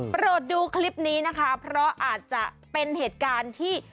ดูคลิปนี้นะคะเพราะอาจจะเป็นเหตุการณ์ที่